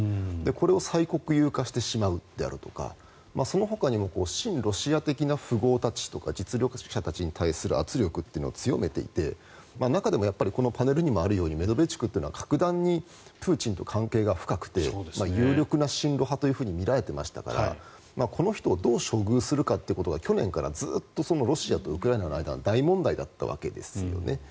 これを再国有化してしまうであるとかそのほかにも親ロシア的な富豪たちとか実力者たちに対する圧力を強めていて中でもパネルにもあるようにメドベチュクというのは格段にプーチンと関係が深くて有力な親ロシア派と見られていましたからこの人をどう処遇するかということが去年からずっとロシアとウクライナの間で大問題だったわけですよね。